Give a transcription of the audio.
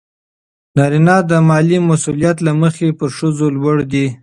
نارینه د مالي مسئولیت له مخې پر ښځو لوړ دی.